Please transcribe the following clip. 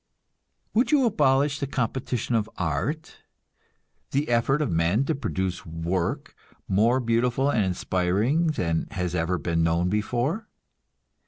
Would you abolish the competition of art, the effort of men to produce work more beautiful and inspiring than has ever been known before?